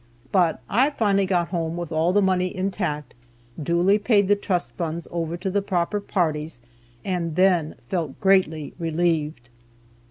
But I finally got home with all the money intact, duly paid the trust funds over to the proper parties, and then felt greatly relieved.